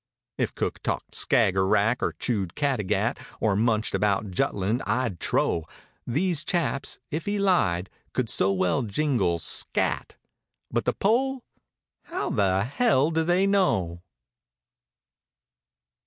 If Cook talked Skager Rack or chewed Categat, Or munched about Jutland, I'd trow These chaps (if he lied) could so well jingle "scat"— But the pole—^how the hell do they know?